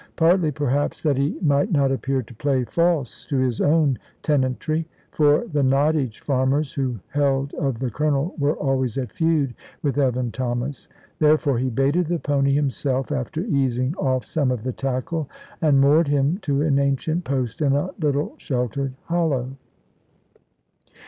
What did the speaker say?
Partly, perhaps, that he might not appear to play false to his own tenantry; for the Nottage farmers, who held of the Colonel, were always at feud with Evan Thomas. Therefore he baited the pony himself, after easing off some of the tackle, and moored him to an ancient post in a little sheltered hollow.